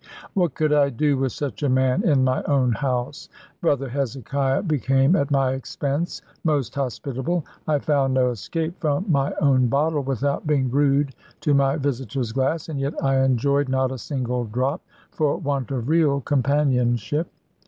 What could I do with such a man in my own house? Brother Hezekiah became, at my expense, most hospitable. I found no escape from my own bottle, without being rude to my visitor's glass; and yet I enjoyed not a single drop, for want of real companionship.